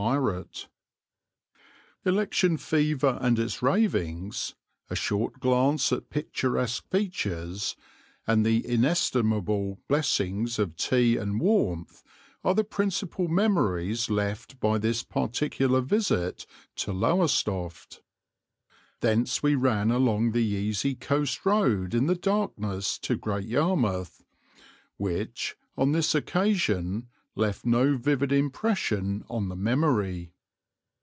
[Illustration: FISHING BOATS AT LOWESTOFT] Election fever and its ravings, a short glance at picturesque features, and the inestimable blessings of tea and warmth are the principal memories left by this particular visit to Lowestoft. Thence we ran along the easy coast road in the darkness to Great Yarmouth, which, on this occasion, left no vivid impression on the memory.